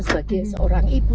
sebagai seorang ibu